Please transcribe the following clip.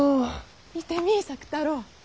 見てみい作太郎。